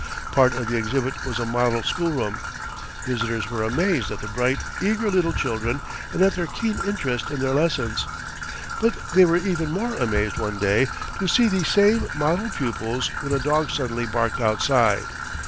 Part of the exhibit was a model schoolroom. Visitors were amazed at the bright, eager little children, and at their keen interest in their lessons. But they were even more amazed one day to see these same model pupils when a dog suddenly barked outside.